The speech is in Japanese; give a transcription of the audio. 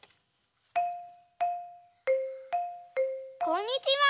こんにちは。